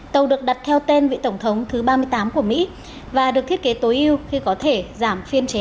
tàu được đặt theo tên vị tổng thống thứ ba mươi tám của mỹ và được thiết kế tối ưu khi có thể giảm phiên chế